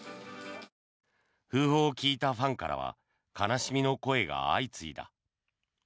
訃報を聞いたファンからは悲しみの声が相次いだ。